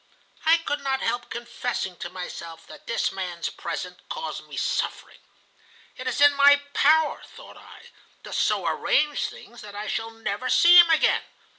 I could not help confessing to myself that this man's presence caused me suffering. 'It is in my power,' thought I, 'to so arrange things that I shall never see him again.